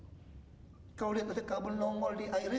kalau lihat kabel nongol di airnya